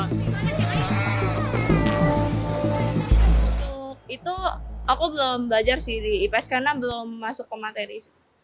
untuk itu aku belum belajar sih di ips karena belum masuk ke materi